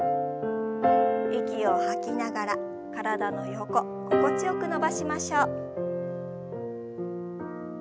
息を吐きながら体の横心地よく伸ばしましょう。